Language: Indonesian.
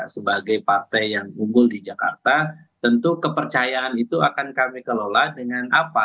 sebagai partai yang unggul di jakarta tentu kepercayaan itu akan kami kelola dengan apa